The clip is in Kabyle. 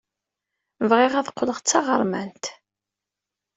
Bɣiɣ ad qqleɣ d taɣermant.